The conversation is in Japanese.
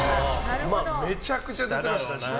めちゃくちゃ出てましたからね。